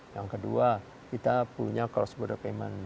yang kedua kita punya cost border payment